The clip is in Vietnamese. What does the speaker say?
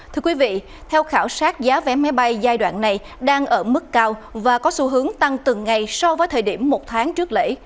thưa quý vị theo khảo sát giá vé máy bay giai đoạn này đang ở mức cao và có xu hướng tăng từng ngày so với thời điểm một tháng trước lễ